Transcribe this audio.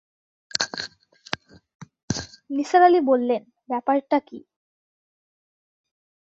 নিসার আলি বললেন, ব্যাপারটা কী?